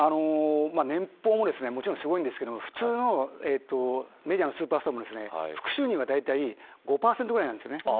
年俸も、もちろんすごいですが普通のメジャーのスーパースターも副収入はだいたい５％ぐらいなんです。